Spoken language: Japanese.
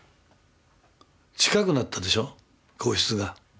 近くなったでしょ皇室が。